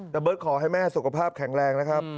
แต่เบิร์ตขอให้แม่สุขภาพแข็งแรงนะครับ